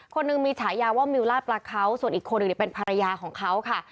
คนหนึ่งมีฉายาว่ามิวลาดปลาเขาส่วนอีกคนหนึ่งเป็นภรรยาของเขาค่ะ